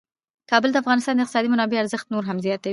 کابل د افغانستان د اقتصادي منابعو ارزښت نور هم زیاتوي.